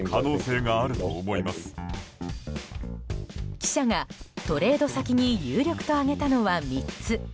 記者がトレード先に有力と挙げたのは３つ。